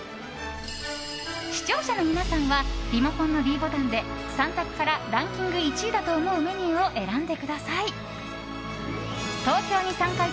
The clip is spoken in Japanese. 視聴者の皆さんはリモコンのｄボタンで３択からランキング１位だと思うメニューを選んでください。